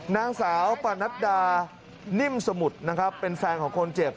นางสาวปานัฏดานิ่มสมุทรเป็นแฟนของคนเจ็บ